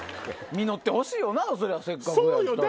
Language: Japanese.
実ってほしいよなせっかくやったら。